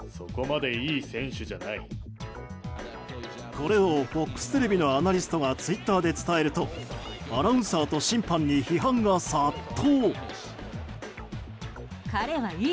これをＦＯＸテレビのアナリストがツイッターで伝えるとアナウンサーと審判に批判が殺到。